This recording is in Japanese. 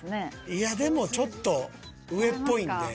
いやでもちょっと上っぽいんで。